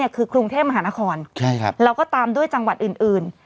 คือกรุงเทพมหานครแล้วก็ตามด้วยจังหวัดอื่น